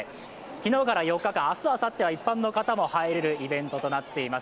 昨日から４日間、明日、あさっては一般の人も入れるイベントになっています。